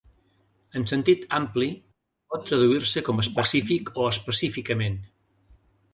En sentit ampli pot traduir-se com específic o específicament.